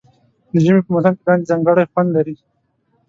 د ژمي په موسم کې لاندی ځانګړی خوند لري.